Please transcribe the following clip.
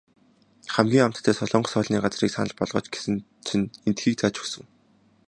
Хамгийн амттай солонгос хоолны газрыг санал болгооч гэсэн чинь эндхийг зааж өгсөн.